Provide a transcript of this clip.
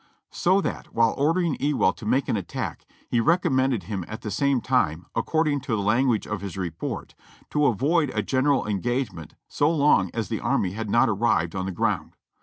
So that, while ordering Ewell to make the attack, he recommended him at the same time, accord ing to the language of his report, to avoid a general engagement so long as the army had not arrived on the ground.